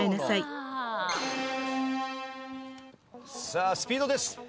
さあスピードです。